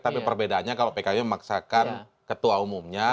tapi perbedaannya kalau pkb memaksakan ketua umumnya